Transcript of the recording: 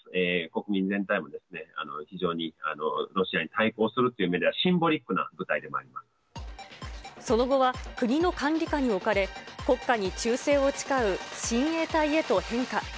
国民全体も非常にロシアに対抗するっていう意味では、シンボリックな部隊でもあります。その後は国の管理下に置かれ、国家に忠誠を誓う親衛隊へと変化。